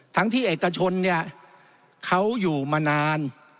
ที่เอกชนเนี่ยเขาอยู่มานาน